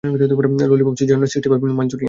Lollipop, Szechuan, sixty five, Manchurian.